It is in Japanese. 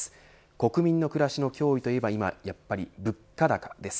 国民の暮らしの脅威といえば今やっぱり物価高です。